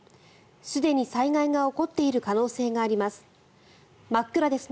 すでに災害が起こっている可能性があります。